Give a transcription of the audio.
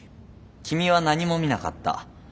君は何も見なかった。